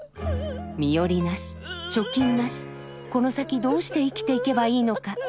身寄りなし貯金なしこの先どうして生きていけばいいのか？